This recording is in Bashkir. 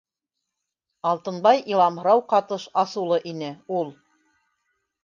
Алтынбай иламһырау ҡатыш асыулы ине, ул: